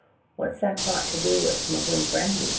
"'What's that got to do with smuggling brandy